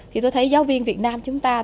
thì tôi thấy giáo viên việt nam chúng ta